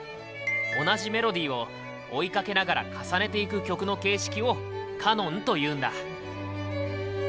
同じメロディーを追いかけながら重ねていく曲の形式を「カノン」と言うんだ。